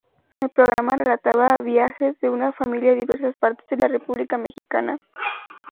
El programa relataba viajes de una familia a diversas partes de la república mexicana.